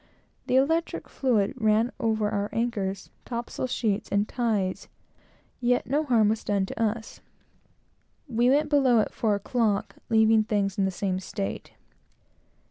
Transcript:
The electric fluid ran over our anchors, top sail sheets and ties; yet no harm was done to us. We went below at four o'clock, leaving things in the same state.